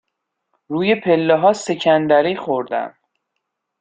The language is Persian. روی پله ها سکندری خوردم.